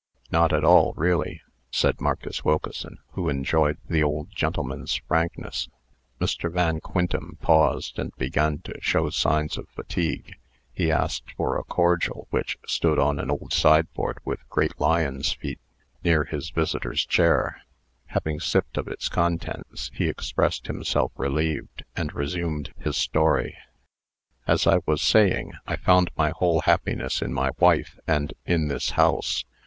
"Not at all, really," said Marcus Wilkeson, who enjoyed the old gentleman's frankness. Mr. Van Quintem paused, and began to show signs of fatigue. He asked for a cordial which stood on an old sideboard with great lion's feet, near his visitor's chair. Having sipped of its contents, he expressed himself relieved, and resumed his story: "As I was saying, I found my whole happiness in my wife, and in this house.